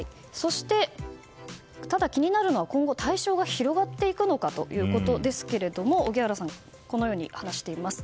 ただ気になるのは今後対象が広がっていくのかということですが荻原さんこのように話しています。